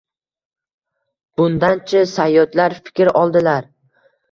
Bundan-chi, sayyodlar fikr oldilar